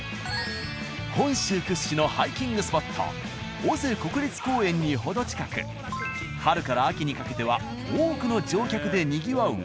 本州屈指のハイキングスポット尾瀬国立公園に程近く春から秋にかけては多くの乗客でにぎわうが。